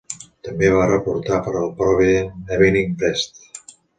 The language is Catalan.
També va reportar per al "Providence Evening Press".